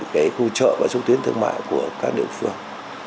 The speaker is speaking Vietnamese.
cái khu chợ và xúc tiến thương mại của các địa phương